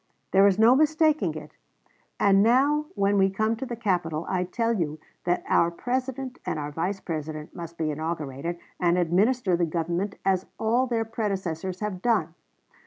There is no mistaking it; and now when we come to the capitol, I tell you that our President and our Vice President must be inaugurated and administer the government as all their predecessors have done.